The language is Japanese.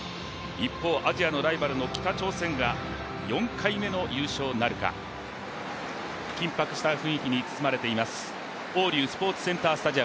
一方、アジアのライバルの北朝鮮が４回目の優勝なるか。緊迫した雰囲気に包まれています黄龍スポーツセンターです。